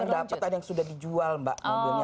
kan ada yang dapat ada yang sudah dijual mbak mobilnya